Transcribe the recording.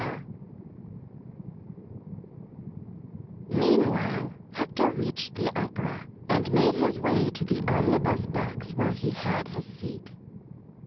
XVII Meanwhile, Hector reached the opera, and made his way to the omnibus box where he had his seat.